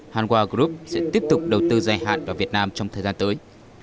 hanwha group sẽ tiếp tục đầu tư dài hạn vào việt nam trong thời gian tới